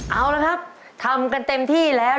เอาละครับทำกันเต็มที่แล้ว